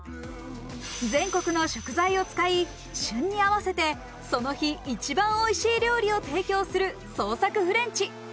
全国の食材を使い、旬に合わせて、その日一番おいしい料理を提供する創作フレンチ。